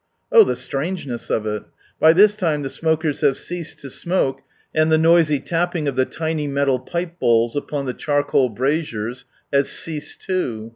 Oh the strangeness of it ! By this time the smokers have ceased to smoke, and the noisy tapping of the tiny metal pipe bowls, upon the charcoal braziers, has ceased too.